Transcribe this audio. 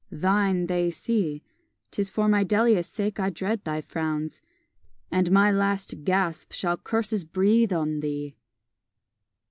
thine they see; Tis for my Delia's sake I dread thy frowns, And my last gasp shall curses breathe on thee!